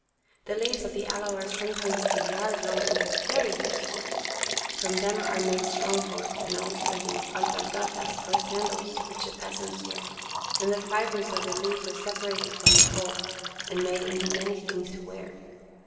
The leaves of the aloe are sometimes a yard long, and they are very useful. From them are made strong cords, and also the alpargataSy or sandals, which the peasants wear ; and the fibres of the leaf are separated from the palp and made into many things to wear.